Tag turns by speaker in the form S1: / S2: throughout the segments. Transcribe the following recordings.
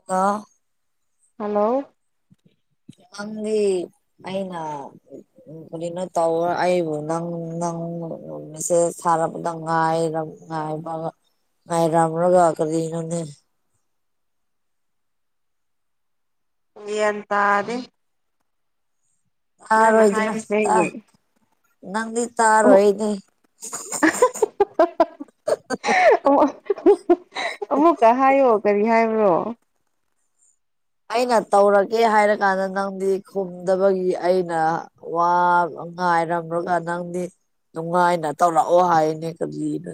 S1: [unintelligible]
S2: hello
S1: ꯃꯪꯗꯤ ꯑꯩꯅ ꯍꯧꯖꯤꯛꯅ ꯇꯧꯔ ꯑꯩꯕꯨ ꯅꯪ ꯅꯪ ꯃꯦꯁꯦꯖ ꯊꯥꯔꯛꯕꯗ ꯉꯥꯏ ꯉꯥꯏꯕꯒ ꯉ ꯥꯏꯔꯝꯔꯒ ꯀꯔꯤꯅꯣꯅꯦ
S2: ꯒꯌꯥꯏꯟ ꯇꯥꯗꯦ ꯅꯪꯅ
S1: ꯇꯥꯔꯣꯏꯗꯅ
S2: ꯍꯥꯏꯕꯁꯦ
S1: ꯇ ꯅꯪꯗꯤ ꯇꯥꯔꯣꯏ ꯑꯩꯗꯤ
S2: ꯑꯃꯨꯛꯀ ꯍꯥꯏꯌꯣ ꯀꯔꯤ ꯍꯥꯏꯕ꯭ꯔꯣ
S1: ꯑꯩꯅ ꯇꯧꯔꯒꯦ ꯍꯥꯏꯔ ꯀꯥꯟꯗ ꯅꯪꯗꯤ ꯈꯨꯝꯗꯕꯒꯤ ꯑꯩꯅ ꯋꯥ ꯉꯥꯏꯔꯝꯂꯒ ꯅꯪꯗꯤ ꯅꯨꯡꯉꯥꯏꯅ ꯇꯧꯔꯛꯑꯣ ꯍꯥꯏꯅꯤ ꯀꯔꯤ [unintelligible]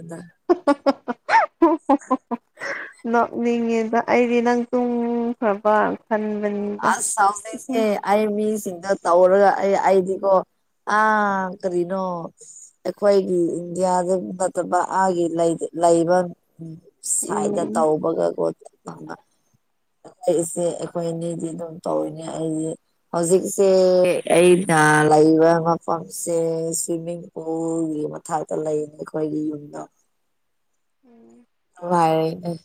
S2: ꯅꯣꯛꯅꯤꯡꯉꯤꯗ ꯑꯩꯗꯤ ꯅꯪ ꯇꯨꯝꯈ꯭ꯔꯕ ꯈꯟꯕꯟ
S1: ꯑꯁ ꯍꯧꯖꯤꯛ ꯑꯦ ꯑꯩ ꯃꯤꯁꯤꯡꯗ ꯇꯧꯔꯒ ꯑꯩ ꯑꯩꯗꯤꯀꯣ ꯑꯥ ꯀꯔꯤꯅꯣ ꯑꯩꯈꯣꯏꯒꯤ ꯏꯟꯗꯤꯌꯥꯗ ꯅꯠꯇꯕ ꯑꯥꯒꯤ ꯂꯩ ꯂꯩꯕ ꯁꯥꯏꯗꯒ ꯗ
S2: ꯎꯝ
S1: ꯇꯧꯕꯒꯀꯣ ꯑꯩꯈꯣꯏ ꯏꯆꯦ ꯑꯩꯈꯣꯏꯑꯅꯤꯗꯤ ꯑꯗꯨꯝ ꯇꯧꯔꯤꯅꯦ ꯑꯩꯗꯤ ꯍꯧꯖꯤꯛꯁꯦ ꯑꯩꯅ ꯂꯩꯕꯥ ꯃꯐꯝꯁꯦ ꯁ꯭ꯋꯤꯃꯤꯡ [unintelligible] ꯃꯊꯥꯛꯗ ꯂꯩꯕꯅꯤ ꯑꯩꯈꯣꯏꯒꯤ ꯌꯨꯝꯗꯣ
S2: ꯎꯝ
S1: ꯅꯨꯉꯥꯏꯔꯤ ꯑꯩ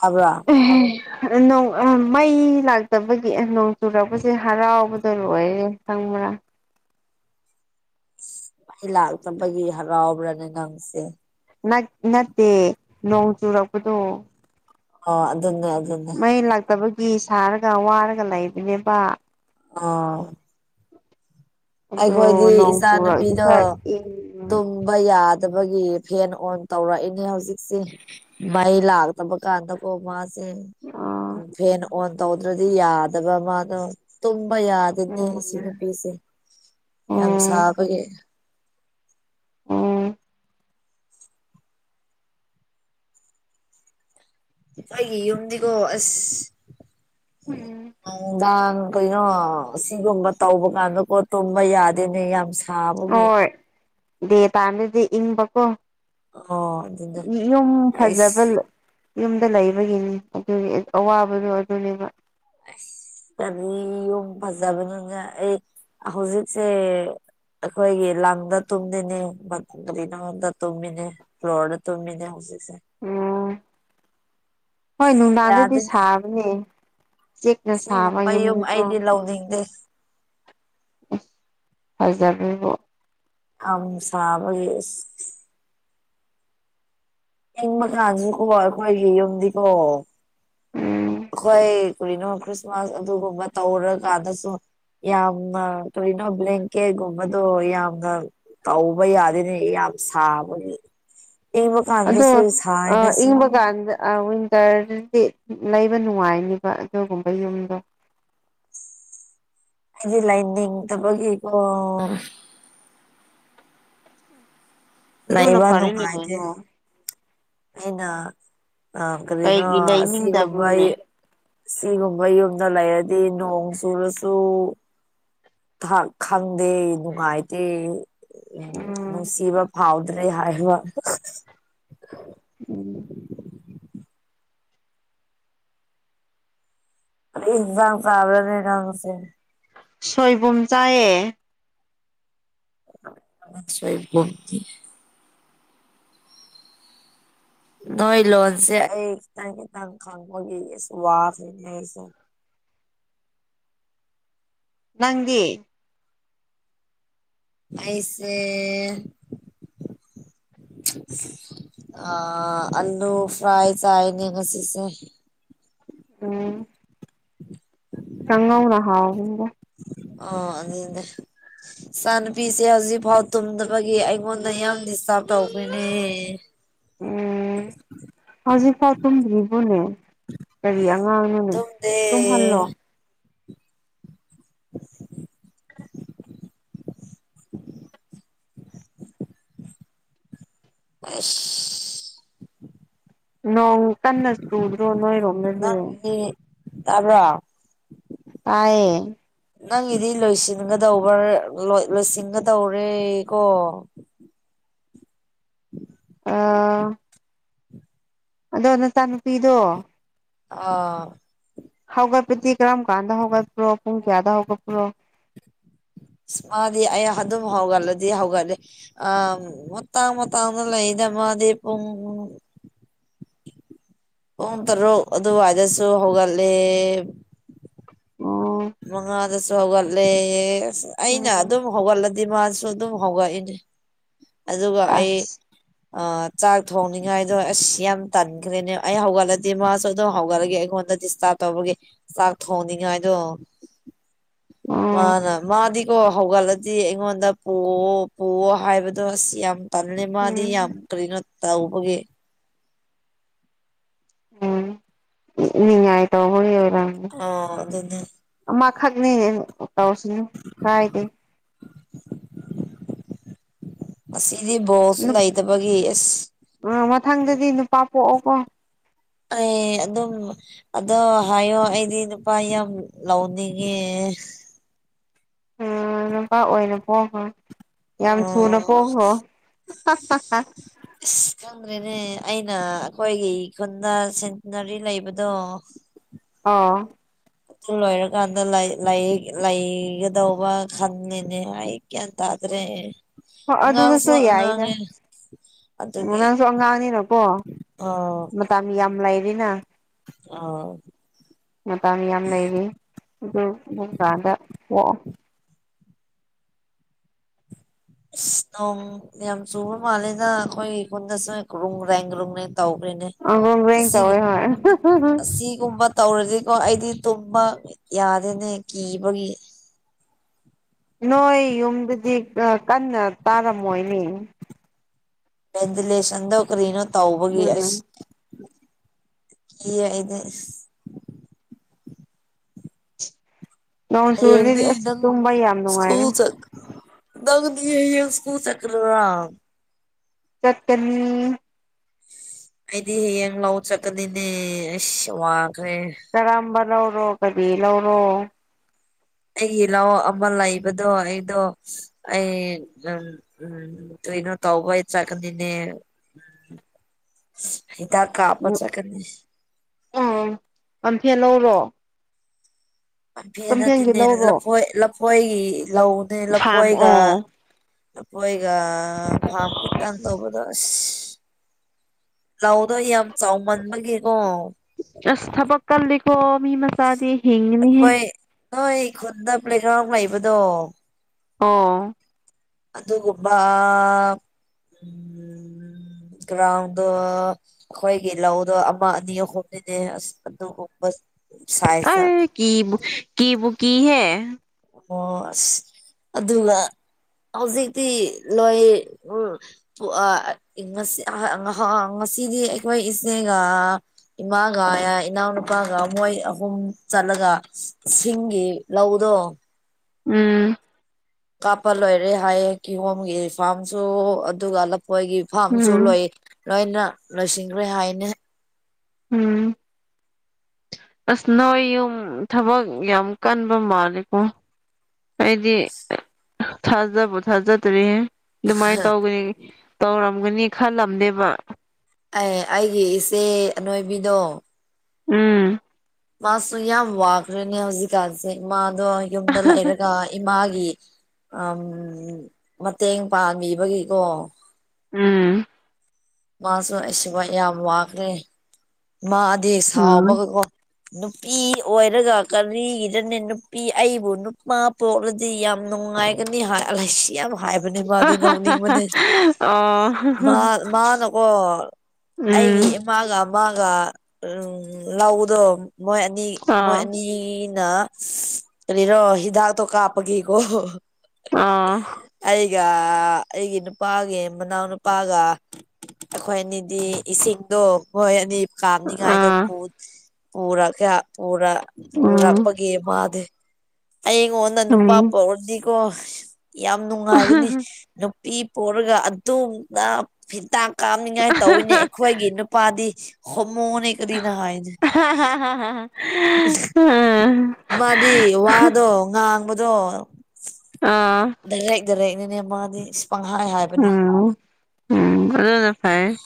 S1: ꯇꯕꯔꯥ
S2: [unintelligible] ꯅꯣꯡ ꯃꯩ ꯂꯥꯛꯇꯕꯒꯤ ꯅꯣꯡ ꯆꯨꯔꯛꯄꯁꯦ ꯍꯔꯥꯎꯕꯗꯣ ꯂꯣꯏꯔꯦ ꯈꯪꯕ꯭ꯔꯥ
S1: ꯑꯩ ꯂꯥꯛꯇꯕꯒꯤ ꯍꯔꯥꯎꯕ꯭ꯔꯅꯦ ꯉꯪꯁꯦ
S2: ꯅꯠ ꯅꯠꯇꯦ ꯅꯣꯡ ꯆꯨꯔꯛꯄꯗꯣ
S1: ꯑꯣ ꯑꯗꯨꯅꯦ ꯑꯗꯨꯅꯦ
S2: ꯃꯩ ꯂꯥꯛꯇꯕꯒꯤ ꯁꯥꯔꯒ ꯋꯥꯔꯒ ꯂꯩꯕꯅꯦꯕ
S1: ꯑꯣ
S2: ꯑꯗꯣ
S1: ꯑꯩꯈꯣꯏꯗꯤ
S2: ꯅꯣꯡ
S1: ꯏꯆꯥ
S2: ꯆꯨꯔꯛꯑꯗꯤ
S1: ꯅꯨꯨꯄꯤꯗꯣ
S2: ꯈꯔ
S1: ꯇꯨꯝ
S2: ꯏꯪ
S1: ꯇꯨꯝꯕ ꯌꯥꯗꯕꯒꯤ ꯐꯦꯟ ꯑꯣꯟ ꯇꯧꯔꯛꯏꯅꯦ ꯍꯧꯖꯤꯛꯁꯦ ꯃꯩ ꯂꯥꯛꯇꯕ ꯀꯥꯟꯗ ꯑꯣ ꯃꯥꯁꯦ
S2: ꯑꯥ
S1: ꯐꯦꯟ ꯑꯣꯟ ꯇꯧꯗ꯭ꯔꯗꯤ ꯌꯥꯗꯕ ꯃꯥꯗꯣ ꯇꯨꯝꯕ ꯌꯥꯗꯦꯅꯦ ꯑꯁꯤ
S2: ꯎꯝ
S1: ꯅꯨꯄꯤꯁꯦ ꯌꯥꯝ
S2: ꯎꯝ
S1: ꯁꯥꯕꯒꯤ
S2: ꯑꯣ
S1: ꯑꯩꯒꯤ ꯌꯨꯝꯗꯤꯀꯣ ꯑꯁ
S2: ꯎꯝ
S1: ꯅꯨꯡꯗꯥꯡ ꯀꯩꯅꯣ ꯁꯤꯒꯨꯝꯕ ꯇꯧꯕ ꯀꯥꯟꯗꯀꯣ ꯇꯨꯝꯕ ꯌꯥꯗꯦꯅꯦ ꯌꯥꯝ ꯁꯥꯕꯒꯤ
S2: ꯍꯣꯏ ꯗꯦ ꯇꯥꯏꯝꯗꯗꯤ ꯏꯪꯕꯀꯣ
S1: ꯑꯣ ꯑꯗꯨꯅ
S2: [unintelligible] ꯌꯨꯝ
S1: ꯑꯩꯁ
S2: ꯐꯖꯕ ꯌꯨꯝꯗ ꯂꯩꯕꯒꯤꯅꯤ ꯑꯗꯨꯒꯤ ꯑꯋꯥꯕꯗꯣ ꯑꯗꯨꯅꯦꯕ
S1: ꯑꯁ [unintelligible] ꯌꯨꯝ ꯐꯖꯕꯅꯤꯅ ꯑꯩ ꯍꯧꯖꯤꯛꯁꯦ ꯑꯩꯈꯣꯏꯒꯤ ꯂꯝꯗ ꯇꯨꯝꯗ‌ꯦꯅꯦ [unintelligible] ꯀꯔꯤꯅ‌ꯣꯗ ꯇꯨꯝꯃꯤꯅꯦ ꯐ꯭ꯂꯣꯔꯗ ꯇꯨꯝꯃꯤꯅꯦ ꯍꯧꯖꯤꯛꯁꯦ
S2: ꯑꯥ ꯍꯣꯏ ꯅꯨꯡꯗꯥꯡꯗꯗꯤ
S1: ꯌꯥꯗꯦꯅꯦ
S2: ꯁꯥꯕꯅꯦ ꯆꯦꯛꯅ ꯁꯥꯕ
S1: ꯁꯤꯒꯨꯝꯕ ꯌꯨꯝ
S2: ꯌꯨꯝꯒꯤꯀꯣ
S1: ꯑꯩꯗꯤ
S2: ꯎꯝ
S1: ꯂꯧꯅꯤꯡꯗꯦ
S2: ꯑꯁ ꯐꯖ [unintelligible]
S1: [unintelligible] ꯁꯥꯕꯒꯤ ꯏꯁ ꯏꯪꯕ ꯀꯥꯟꯁꯨꯀꯣ ꯑꯩꯈꯣꯏꯒꯤ ꯌꯨꯝꯗꯤꯀꯣ
S2: ꯎꯝ
S1: ꯑꯩꯈꯣꯏ ꯀꯔꯤꯅꯣ ꯈ꯭ꯔꯤꯁꯃꯥꯁ ꯑꯗꯨꯒꯨꯝꯕ ꯇꯧꯔꯀꯥꯟꯗꯁꯨ ꯌꯥꯝꯅ ꯀꯔꯤꯅꯣ ꯕ꯭ꯂꯦꯟꯀꯦꯠꯒꯨꯝꯕꯗꯣ ꯌꯥꯝꯅ ꯇꯧꯕ ꯌꯥꯗꯦꯅꯦ ꯌꯥꯝ ꯁꯥꯕꯒꯤ ꯏꯪꯕ ꯀꯥꯟꯗꯁꯨ ꯁꯥꯏꯌꯦꯗ ꯁꯤꯗꯤ
S2: ꯑꯥ ꯋꯤꯟꯇꯔꯗꯗꯤ ꯂꯩꯕ ꯅꯨꯡꯉꯥꯏꯅꯦꯕ ꯑꯗꯨꯒꯨꯝꯕ ꯌꯨꯝꯗꯣ
S1: ꯑꯩꯗꯤ ꯂꯩꯅꯤꯡ ꯗꯕꯒꯤ ꯀꯣ
S2: ꯑꯗꯨꯅ
S1: ꯂꯩꯕ
S2: ꯐꯔꯦꯅꯦ
S1: ꯅꯨꯡꯉꯥꯏꯇꯦ
S2: ꯀꯩꯅꯣ
S1: ꯑꯩꯅ ꯑ ꯀꯔꯤꯅꯣ
S2: ꯀꯩꯒꯤ
S1: ꯑꯁꯤꯒꯨꯝꯕ ꯑꯩ
S2: ꯂꯩꯅꯤꯡꯗꯕ꯭ꯔꯣꯅꯦ
S1: ꯁꯤꯒꯨꯝꯕ ꯌꯨꯝꯗ ꯂꯩꯔꯗꯤ ꯅꯣꯡ ꯆꯨꯔꯁꯨ ꯊꯥ ꯈꯪꯗꯦ ꯅꯨꯡꯉꯥꯏꯇꯦ ꯎꯝ ꯅꯨꯡꯁꯤꯕ ꯐꯥꯎꯗ꯭ꯔꯦ ꯍꯥꯏꯕ
S2: ꯎꯝ
S1: ꯀꯔꯤ ꯏꯟꯖꯥꯡ‌ ꯆꯥꯕ꯭ꯔꯅ‌ꯦ ꯅꯪꯁ‌ꯦ
S2: ꯁꯣꯏꯕꯨꯝ ꯆꯥꯏꯑꯦ
S1: ꯁꯣꯏꯕꯨꯝꯗꯤ ꯅꯣꯏ ꯂꯣꯟꯁꯦ ꯑꯩ ꯈꯤꯇꯪ ꯈꯤꯇꯪ ꯈꯪꯕꯒꯤꯁꯨ ꯋꯥꯈꯦꯅꯦ ꯑꯩꯁ‌ꯦ
S2: ꯅꯪꯗꯤ
S1: ꯑꯩꯁꯦ ꯑꯥ ꯑꯂꯨ ꯐ꯭ꯔꯥꯏ ꯆꯥꯏꯅ‌ꯦ ꯉꯁꯤꯁꯦ
S2: ꯎꯝ ꯀꯪꯉꯧꯅ ꯍꯥꯎꯕꯅꯤꯗ
S1: ꯑ [unintelligible] ꯏꯆꯥ ꯅꯨꯨꯄꯤꯁꯦ ꯍꯧꯖꯤꯛꯐꯥꯎ ꯇꯨꯝꯗꯕꯒꯤ ꯑꯩꯉꯣꯟꯗ ꯌꯥꯝ ꯗꯤꯁꯇꯥꯔꯕ ꯇꯧꯕꯅꯦ
S2: ꯎꯝ ꯍꯧꯖꯤꯛ ꯐꯥꯎ ꯇꯨꯝꯗ꯭ꯔꯤꯕꯣꯅꯦ ꯀꯔꯤ ꯑꯉꯥꯡꯅꯣꯅꯦ
S1: ꯇꯨꯝꯗꯦ
S2: ꯇꯨꯝꯍꯜꯂꯣ
S1: ꯎꯝ ꯑꯩꯁ
S2: ꯅꯣꯡ ꯀꯟꯅ ꯆꯨꯗ꯭ꯔꯣ ꯅꯣꯏꯔꯣꯝꯗꯗꯤ
S1: ꯇꯥꯕ꯭ꯔꯥ
S2: ꯇꯥꯏꯌꯦ
S1: ꯅꯪꯒꯤꯗꯤ ꯂꯣꯏꯁꯤꯟꯒꯗꯧꯕꯔ ꯂ‌ꯣꯏ ꯂꯣꯏꯁꯤꯟꯒꯗꯧꯔꯦ ꯀꯣ
S2: ꯑꯥ ꯑꯗꯣ ꯅꯆꯥꯅꯨꯄꯤꯗꯣ
S1: ꯑ
S2: ꯍꯧꯒꯠꯄꯗꯤ ꯀꯔꯝ ꯀꯥꯟꯗ ꯍꯧꯒꯠꯄ꯭ꯔꯣ ꯄꯨꯡ ꯀꯌꯥꯗ ꯍꯧꯒꯠꯄ꯭ꯔꯣ
S1: ꯃꯥꯗꯤ ꯑꯩ ꯑꯗꯨꯝ ꯍꯧꯒꯠꯂꯗꯤ ꯍꯧꯒꯠꯂꯦ ꯑ ꯃꯇꯥꯡ ꯃꯇꯥꯡꯅ ꯂꯩꯗ ꯃꯥꯗꯤ ꯄꯨꯡ ꯄꯨꯡ ꯇꯔꯨꯛ ꯑꯗꯨꯋꯥꯏꯗꯁꯨ ꯍꯧꯒꯠꯂꯦ
S2: ꯑꯣ
S1: ꯃꯥꯉꯥꯜꯗꯁꯨ ꯍꯧꯒꯠꯂꯦꯌꯦ ꯑꯁ ꯑꯩꯅ
S2: ꯎꯝ
S1: ꯑꯗꯨꯝ ꯍꯧꯒꯠꯂꯗꯤ ꯃꯥꯁꯨ ꯑꯗꯨꯝ ꯍꯧꯒꯠꯏꯅꯦ ꯑꯗꯨꯒ ꯑꯩ
S2: ꯑꯁ
S1: ꯑ ꯆꯥꯛ ꯊꯣꯡꯅꯤꯉꯥꯏꯗꯣ ꯑꯁ ꯌꯥꯝ ꯇꯟꯈ꯭ꯔꯦꯅꯦ ꯑꯩ ꯍꯧꯒꯠꯂꯗꯤ ꯃꯥꯁꯨ ꯑꯗꯨꯝ ꯍꯧꯒꯠꯂꯒꯦ ꯑꯩꯉꯣꯟꯗ ꯗꯤ ꯆꯥ ꯇꯧꯕꯒꯤ ꯆꯥꯛ ꯊꯣꯡꯅꯤꯡꯉꯥꯏꯗꯣ
S2: ꯎꯝ
S1: ꯃꯥꯅ ꯃꯥꯗꯤ ꯀꯣ ꯍꯧꯒꯠꯂꯗꯤ ꯑꯩꯉꯣꯟꯗ ꯄꯨꯑꯣ ꯄꯨꯑꯣ ꯍꯥꯏꯕꯗꯣ ꯑꯁ ꯌꯥꯝ ꯇꯜꯂꯦ ꯃꯥꯗꯤ ꯌꯥꯝ
S2: ꯎꯝ
S1: ꯀꯔꯤꯅꯣ ꯇꯧꯕꯒꯤ
S2: ꯎꯝ ꯅꯤꯡꯉꯥꯏ ꯇꯧꯕꯒꯤ ꯑꯣꯏꯔꯝꯅꯤ
S1: ꯑ ꯑꯗꯨꯅꯦ
S2: ꯑꯃꯥꯈꯛꯅꯦ ꯇꯧꯔꯁꯤꯅꯦ ꯀꯥꯏꯗꯦ
S1: ꯉꯁꯤꯗꯤ ꯕꯣꯜꯁꯨ
S2: ꯅꯨ
S1: ꯂꯩꯇꯕꯒꯤ ꯑꯁ
S2: ꯑ ꯃꯊꯪꯗꯗꯤ ꯅꯨꯄꯥ ꯄꯣꯛꯑꯣꯀꯣ
S1: ꯑꯩ ꯑꯗꯨꯝ ꯑꯗꯣ ꯍꯥꯏꯌꯣ ꯑꯩꯗꯤ ꯅꯨꯄꯥ ꯌꯥꯝ ꯂꯧꯅꯤꯡꯉꯦ
S2: ꯑꯥ ꯅꯨꯄꯥ ꯑꯣꯏꯅ ꯄꯣꯛꯑꯣꯕꯥ ꯌꯥꯝ ꯊꯨꯅ
S1: ꯑꯣ
S2: ꯄꯣꯛꯈ꯭ꯔꯣ
S1: ꯑꯁ ꯈꯪꯗ꯭ꯔꯦꯅꯦ ꯑꯩꯅ ꯑꯈꯣꯏꯒꯤ ꯈꯨꯟꯗ ꯁꯦꯟꯇꯤꯅꯔꯤ ꯂꯩꯕꯗꯣ
S2: ꯑꯥ
S1: ꯑꯗꯨ ꯂꯣꯏꯔꯀꯥꯟꯗ ꯂꯩ ꯂꯩ ꯂꯩꯒꯗꯧꯕ ꯈꯟꯂꯤꯅꯦ ꯑꯩ ꯒ꯭ꯌꯥꯟ ꯇꯥꯗ꯭ꯔꯦ
S2: ꯍꯥ
S1: ꯑꯉꯥꯡꯁꯨ
S2: ꯑꯗꯨꯗꯁꯨ ꯌꯥꯏꯗ
S1: ꯑꯉꯥꯡꯅꯦ ꯑꯗꯨꯒꯤ
S2: ꯅꯪꯁꯨ ꯑꯉꯥꯡꯅꯤꯅꯀꯣ
S1: ꯑꯥ
S2: ꯃꯇꯝ ꯌꯥꯝ ꯂꯩꯔꯤꯅꯥ
S1: ꯑꯥ
S2: ꯃꯇꯝ ꯌꯥꯝ ꯂꯩꯔꯤ ꯑꯗꯨ ꯑꯗꯨꯡꯀꯥꯟꯗ ꯄꯣꯛꯑꯣ
S1: ꯁ ꯅꯣꯡ ꯌꯥꯝ ꯆꯨꯕ ꯃꯥꯜꯂꯦꯗ ꯑꯈꯣꯏꯒꯤ ꯈꯨꯟꯗ ꯆꯦ ꯒ꯭ꯔꯨꯡ ꯒ꯭ꯔꯦꯡ ꯒ꯭ꯔꯨꯡ ꯒ꯭ꯔꯦꯡ ꯇꯧꯒ꯭ꯔꯦꯅꯦ
S2: ꯑꯪꯒ꯭ꯔꯣꯡ ꯒ꯭ꯔꯦꯡ
S1: ꯑꯁꯤꯒꯨ
S2: ꯇꯧꯋꯦ ꯍꯣꯏ
S1: ꯑꯁꯤꯒꯨꯝꯕ ꯇꯧꯔꯗꯤꯀꯣ ꯑꯩꯗꯤ ꯇꯨꯝꯕ ꯌꯥꯗꯦꯅꯦ ꯀꯤꯕꯒꯤ
S2: ꯅꯣꯏ ꯌꯨꯝꯗꯗꯤ ꯑ ꯀꯟꯅ ꯇꯥꯔꯝꯃꯣꯏꯅꯦ
S1: ꯚꯦꯟꯇꯤꯂꯦꯁꯟꯗꯣ ꯀꯔꯤꯅꯣ ꯇꯧꯕꯒꯤ ꯑꯁ
S2: ꯎꯝ
S1: ꯀꯤꯌꯦ ꯑꯩꯗꯤ ꯑꯁ
S2: ꯅꯣꯡ ꯆꯨꯔꯗꯤ
S1: ꯍꯌꯦꯡꯗꯤ
S2: ꯑꯁ
S1: ꯅꯪ
S2: ꯇꯨꯝꯕ ꯌꯥꯝ ꯅꯨꯡꯉꯥꯏꯔꯦ
S1: ꯁ꯭ꯀꯨꯜ ꯆꯠ ꯅꯪꯗꯤ ꯍꯌꯦꯡ ꯁ꯭ꯀꯨꯜ ꯆꯠꯀꯗꯔꯥ
S2: ꯆꯠꯀꯅꯤ
S1: ꯑꯩꯗꯤ ꯍꯌꯦꯡ ꯂꯥꯎ ꯆꯠꯀꯅꯤꯅꯦ ꯑꯁ ꯋꯥꯈ꯭ꯔꯦ
S2: ꯀꯔꯝꯕ ꯂꯧꯔꯣ ꯀꯔꯤ ꯂꯧꯔꯣ
S1: ꯑꯩꯒꯤ ꯂꯧ ꯑꯃ ꯂꯩꯕꯗꯣ ꯑꯩꯗꯣ ꯑꯩ ꯑꯝ ꯎꯝ ꯎꯝ ꯀꯩꯅꯣ ꯇꯧꯕꯩ ꯆꯠꯀꯅꯤꯅꯦ ꯍꯤꯗꯥꯛ ꯀꯥꯞꯄ ꯆꯠꯀꯅꯤ
S2: ꯑꯥ ꯄꯥꯝꯐꯦꯜ ꯂꯧꯔꯣ
S1: ꯄꯥꯝꯐꯦꯟ
S2: ꯄꯝꯐꯦꯟꯒꯤ
S1: ꯅꯠꯇꯦꯅꯦ
S2: ꯂꯧꯔꯣ
S1: ꯂꯐꯣꯏ ꯂꯐꯣꯏꯒꯤ ꯂꯧꯅꯦ
S2: ꯐꯥꯝ
S1: ꯂꯐꯣꯏꯒ
S2: ꯑꯣ
S1: ꯂꯐꯣꯏꯒ ꯐꯥꯝ ꯈꯤꯇꯪ ꯇꯧꯕꯗ ꯁꯤ ꯂꯧꯗꯣ ꯌꯥꯝ ꯆꯥꯎꯃꯟꯕꯒꯤꯒꯣ
S2: ꯑꯁ ꯊꯕꯛ ꯀꯜꯂꯤꯀꯣ ꯃꯤ ꯃꯆꯥꯗꯤ ꯍꯤꯡꯒꯅꯤꯍꯦ
S1: ꯑꯩꯈꯣꯏ ꯅꯣꯏ ꯈꯨꯟꯗ ꯄ꯭ꯂꯦꯒ꯭ꯔꯥꯎꯟ ꯂꯩꯕꯗꯣ
S2: ꯑꯣ
S1: ꯑꯗꯨꯒꯨꯝꯕꯥ ꯎꯝ ꯒ꯭ꯔꯥꯎꯟꯗꯣ ꯑꯈꯣꯏꯒꯤ ꯂꯧꯗꯣ ꯑꯃ ꯑꯅꯤ ꯑꯍꯨꯝꯅꯤꯅꯦ ꯑꯁ ꯑꯗꯨꯒꯨꯝꯕ ꯁꯥꯏꯖꯇ
S2: ꯑꯩ ꯀꯤꯕꯨ ꯀꯤꯕꯨ ꯀꯤꯍꯦ
S1: ꯑꯣ ꯑꯁ ꯑꯗꯨꯒ ꯍꯧꯖꯤꯛꯇꯤ ꯂꯣꯏ ꯎ ꯎ ꯑꯥ ꯉꯁꯤ ꯍ ꯉꯍꯥ ꯉꯁꯤꯗꯤ ꯑꯩꯈꯣꯏ ꯏꯆꯦꯒꯥ ꯏꯃꯥꯒ ꯌꯥ ꯏꯅꯥꯎꯅꯨꯄꯥꯒ ꯃꯣꯏ ꯑꯍꯨꯝ ꯆꯠꯂꯒ ꯁꯤꯡꯒꯤ ꯂꯧꯗꯣ
S2: ꯎꯝ
S1: ꯀꯥꯞꯄ ꯂꯣꯏꯔꯦ ꯍꯥꯏꯌꯦ ꯀꯤꯍꯣꯝꯒꯤ ꯐꯥꯝꯁꯨ ꯑꯗꯨꯒ ꯂꯐꯣꯏꯒꯤ ꯐꯥꯝꯁꯨ
S2: ꯎꯝ
S1: ꯂꯣꯏ ꯂꯣꯏꯅ ꯂꯣꯏꯁꯤꯟꯈ꯭ꯔꯦ ꯍꯥꯏꯅꯦ
S2: ꯎꯝ ꯑꯁ ꯅꯣꯏ ꯌꯨꯝ ꯊꯕꯛ ꯌꯥꯝ ꯀꯟꯕ ꯃꯥꯂꯤꯀꯣ ꯑꯩꯗꯤ ꯊꯥꯖꯕꯨ ꯊꯥꯖꯗ꯭ꯔꯤ ꯗꯨꯃꯥꯏꯟ ꯇꯧꯒꯅꯤ ꯇꯧꯔꯝꯒꯅꯤ ꯈꯜꯂꯝꯗꯦꯕ
S1: ꯑꯦ ꯑꯩꯒꯤ ꯏꯆꯦ ꯑꯅꯣꯏꯕꯤꯗꯣ
S2: ꯎꯝ
S1: ꯃꯥꯁꯨ ꯌꯥꯝ ꯋꯥꯈ꯭ꯔꯦꯅꯦ ꯍꯧꯖꯤꯛꯀꯥꯟꯁꯦ ꯃꯥꯗꯣ ꯌꯨꯝꯗꯥ ꯂꯩꯔꯒꯥ ꯏꯃꯥꯒꯤ ꯑꯝ ꯃꯇꯦꯡ ꯄꯥꯡꯕꯤꯕꯒꯤꯀꯣ
S2: ꯎꯝ
S1: ꯃꯥꯁꯨ ꯑꯩꯁꯨꯕ ꯌꯥꯝ ꯋꯥꯈ꯭ꯔꯦ ꯃꯥꯗꯤ
S2: ꯎꯝ
S1: ꯁꯥꯎꯕꯒꯒꯣ ꯅꯨꯄꯤ ꯑꯣꯏꯔꯒ ꯀꯔꯤꯒꯤꯔꯅꯦ ꯅꯨꯄꯤ ꯑꯩꯕꯨ ꯅꯨꯄꯥ ꯄꯣꯛꯂꯗꯤ ꯌꯥꯝ ꯅꯨꯡꯉꯥꯏ ꯒꯅꯤ ꯍꯥꯏ ꯂꯩꯁꯤ ꯌꯥꯝ ꯍꯥꯏꯕꯅꯦ ꯃꯥꯗꯤ ꯅꯣꯛꯅꯤꯡꯕꯅꯦ
S2: ꯑꯣ
S1: ꯃꯥ ꯃꯥꯅ ꯑꯣ
S2: ꯎꯝ
S1: ꯑꯩꯒꯤ ꯏꯝ ꯃꯥꯒ ꯃꯥꯒ ꯎꯝ ꯂꯧꯗꯣ ꯃꯣꯏ ꯑꯅꯤ ꯃꯣꯏ
S2: ꯑꯥ
S1: ꯑꯅꯤꯅ ꯀꯔꯤꯔꯣ ꯍꯤꯗꯥꯛꯇꯣ ꯀꯥꯄꯒꯤꯀꯣ
S2: ꯑꯥ
S1: ꯑꯩꯒ ꯑꯩꯒꯤ ꯅꯨꯄꯥꯒꯤ ꯃꯅꯥꯎꯅꯨꯄꯥꯒ ꯑꯩꯈꯣꯏ ꯑꯅꯤꯗꯤ ꯏꯁꯤꯡꯗꯣ ꯈꯣꯏ ꯑꯅꯤ ꯀꯥꯝꯅꯤꯡꯉꯥꯏꯗꯣ
S2: ꯑꯥ
S1: ꯄꯨ ꯄꯨꯔꯛ ꯀ ꯄꯨꯔ
S2: ꯎꯝ
S1: ꯄꯨꯔꯛꯄꯒꯤ ꯃꯥꯗꯤ ꯑꯩꯉꯣꯟꯗ ꯅꯨꯄꯥ
S2: ꯎꯝ
S1: ꯄꯣꯛꯔꯗꯤꯀꯣ ꯌꯥꯝ ꯅꯨꯡꯉꯥꯏꯒꯅꯤ ꯅꯨꯄꯤ ꯄꯣꯛꯔꯒ ꯑꯗꯨꯝꯅ ꯇꯥꯛ ꯀꯥꯞꯅꯤꯡꯉꯥꯏ ꯇꯧꯋꯤꯅꯦ ꯑꯩꯈꯣꯏꯒꯤ ꯅꯨꯄꯥꯗꯤ ꯍꯣꯃꯣꯅꯤ ꯀꯔꯤꯅꯣ ꯍꯥꯏꯅꯦ ꯃꯥꯗꯤ ꯋꯥꯗꯣ ꯉꯥꯡꯕꯗꯣ
S2: ꯑꯥ
S1: ꯗꯥꯏꯔꯦꯛ ꯗꯥꯏꯔꯦꯛꯅꯤꯅꯦ ꯃꯥꯗꯤ ꯏꯁ ꯄꯪꯍꯥꯏ ꯍꯥꯏꯕꯅꯦ
S2: ꯎꯝ ꯎꯝ ꯑꯗꯨꯅ ꯐꯩꯌꯦ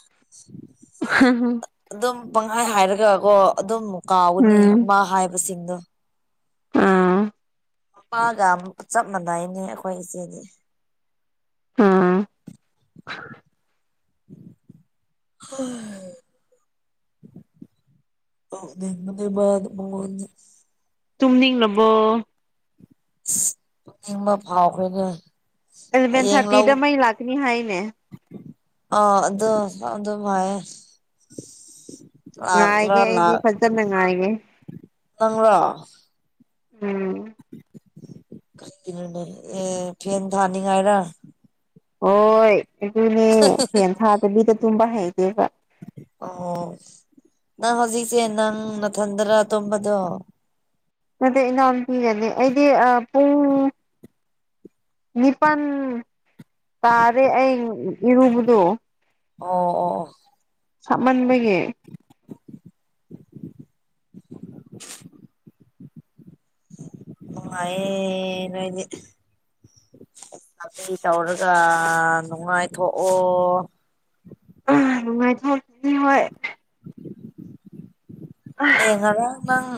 S1: ꯑꯗꯨꯝ ꯄꯪꯍꯥꯏ ꯍꯥꯏꯔꯒꯒꯣ ꯑꯗꯨꯝ ꯀꯥꯎꯒꯅꯤ
S2: ꯎꯝ
S1: ꯃꯥ ꯍꯥꯏꯕꯁꯤꯡꯗꯣ
S2: ꯑꯥ
S1: ꯄꯥꯒꯥꯝ ꯆꯞ ꯃꯥꯟꯅꯩꯌꯦꯅꯦ ꯑꯩꯈꯣꯏ ꯏꯆꯦꯗꯤ
S2: ꯑꯥ
S1: ꯎꯝ [inaudible] ꯍ [inaudible] ꯅꯣꯛꯅꯤꯡꯕꯅꯤꯕ ꯃꯉꯣꯟꯗ
S2: ꯇꯨꯝꯅꯤꯡꯂꯕꯣ
S1: ꯇꯨꯝꯅꯤꯡꯕ ꯐꯥꯎꯈ꯭ꯔꯦꯅꯦ
S2: ꯑꯦꯂꯚꯦꯟ
S1: ꯍꯌꯦꯡ ꯂꯧ
S2: ꯊꯥꯔꯇꯤꯗ ꯃꯩ ꯂꯥꯛꯀꯅꯤ ꯍꯥꯏꯅꯦ
S1: ꯑ ꯑꯗꯣ ꯑꯗꯨꯝ ꯍꯥꯏꯌꯦ ꯂꯥꯛꯇ꯭ꯔꯥ
S2: ꯉꯥꯏꯒꯦ ꯑꯩꯗꯤ
S1: ꯂꯥꯛ
S2: ꯐꯖꯅ ꯉꯥꯏꯒꯦ
S1: ꯅꯪꯔꯣ
S2: ꯎꯝ
S1: ꯑꯦ ꯐꯦꯟ ꯊꯥꯅꯤꯉꯥꯏꯔ
S2: ꯍꯣꯏ ꯑꯗꯨꯅꯦ ꯐꯦꯟ ꯊꯥꯗꯕꯤꯗ ꯇꯨꯝꯕ ꯍꯩꯇꯦꯕ
S1: ꯑꯣ ꯅꯪ ꯍꯧꯖꯤꯛꯁꯦ ꯅꯪ ꯝꯊꯟꯗꯔ ꯇꯨꯝꯕꯗꯣ
S2: ꯅꯗꯦ ꯅꯥꯎꯄꯤꯒꯅꯤ ꯑꯩꯗꯤ ꯄꯨꯡ ꯅꯤꯄꯥꯟ ꯇꯥꯔꯦ ꯑꯩ ꯏꯔꯨꯕꯗꯣ
S1: ꯑꯣ ꯑꯣ ꯑꯣ
S2: ꯁꯥꯃꯟꯕꯒꯤ
S1: ꯅꯪꯉꯥꯏꯌꯦ ꯅꯣꯏꯗꯤ ꯑꯗꯨ ꯇꯧꯔꯒ ꯅꯨꯡꯉꯥꯏꯊꯣꯛꯑꯣ
S2: ꯎ ꯅꯨꯡꯉꯥꯏꯊꯣꯛꯅꯤ ꯍꯣꯏ
S1: ꯑꯦ ꯉꯔꯥꯡ ꯅꯪ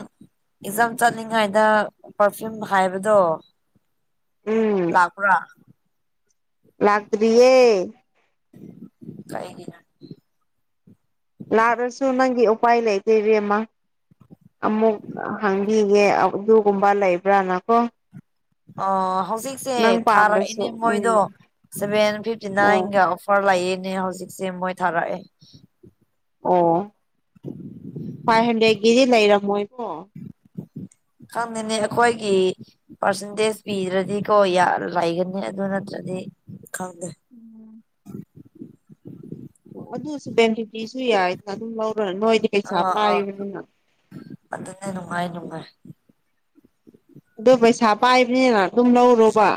S1: ꯑꯦꯛꯖꯥꯝ ꯆꯠꯅꯤꯡꯉꯥꯏꯗ ꯄ꯭ꯔꯐꯤꯌꯨꯝ ꯍꯥꯏꯕꯗꯣ
S2: ꯎꯝ
S1: ꯂꯥꯛꯄ꯭ꯔꯥ
S2: ꯂꯥꯛꯇꯔꯤꯌꯦ
S1: ꯀꯩꯒꯤꯅꯣ
S2: ꯅꯥꯗ꯭ꯔꯁꯨ ꯅꯪꯒꯤ ꯎꯄꯥꯏ ꯂꯩꯇꯦ ꯏꯕꯦꯝꯃꯥ ꯑꯃꯨꯛ ꯍꯥꯡꯕꯤꯒꯦ ꯑꯗꯨꯒꯨꯝꯕ ꯂꯩꯕ꯭ꯔꯥꯅꯀꯣ
S1: ꯑꯣ ꯍꯧꯖꯤꯛꯁꯦ
S2: ꯅꯪ ꯄꯥꯝꯕꯁꯨ
S1: ꯊꯥꯔꯛꯏꯅꯦ
S2: ꯎꯝ
S1: ꯃꯣꯏꯗꯣ ꯁꯚꯦꯟ ꯐꯤꯐꯇꯤ
S2: ꯑꯣ
S1: ꯅꯥꯏꯟꯒ ꯐꯔ ꯂꯩꯏꯅꯦ ꯍꯧꯖꯤꯛꯁꯦ ꯃꯣꯏ ꯊꯥꯔꯛꯑꯦ
S2: ꯑꯣ ꯐꯥꯏꯚ ꯍꯟꯗ꯭ꯔꯦꯠꯀꯤꯗꯤ ꯂꯩꯔꯝꯃꯣꯏꯕꯣ
S1: ꯈꯪꯗꯅꯦ ꯑꯈꯣꯏꯒꯤ ꯄꯥꯔꯁꯦꯟꯇꯦꯖ ꯄꯤꯗ꯭ꯔꯗꯤꯀꯣ ꯌꯥ ꯂꯩꯒꯅꯤ ꯑꯗꯨ ꯅꯠꯇ꯭ꯔꯗꯤ ꯈꯪꯗꯦ
S2: [inaudible] ꯑꯣ ꯑꯗꯨꯁꯨ ꯇꯦꯟꯐꯤꯞꯇꯤꯁꯨ ꯌꯥꯏꯗꯅ ꯑꯗꯨꯝ ꯂꯧꯔꯣ ꯅꯣꯏꯗꯤ ꯄꯩꯁꯥ
S1: ꯑꯥ ꯑꯥ
S2: ꯄꯥꯏꯕꯅꯤꯅ
S1: ꯑꯗꯨꯅꯦ ꯅꯨꯡꯉꯥꯏ ꯅꯨꯡꯉꯥꯏ
S2: ꯑꯗꯣ ꯄꯩꯁꯥ ꯄꯥꯏꯕꯅꯤꯅ ꯑꯗꯨꯝ ꯂꯧꯔꯣꯕ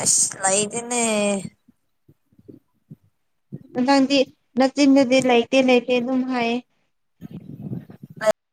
S1: ꯑꯁ ꯂꯩꯇꯦꯅꯦ
S2: ꯅꯪꯗꯤ ꯅꯆꯤꯟꯗꯗꯤ ꯂꯩꯇꯦ ꯂꯩꯇꯦ ꯑꯗꯨꯝ ꯍꯥꯏꯌꯦ
S1: ꯑꯥ